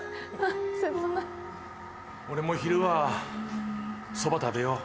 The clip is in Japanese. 俺も昼はそば食べよう。